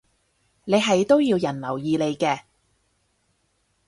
你係都要人留意你嘅